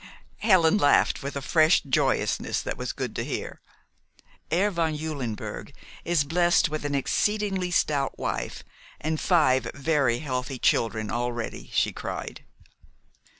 Helen laughed, with a fresh joyousness that was good to hear. "Herr von Eulenberg is blessed with an exceedingly stout wife and five very healthy children already," she cried.